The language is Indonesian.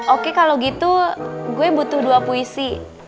oke kalau gitu gue butuh dua puisi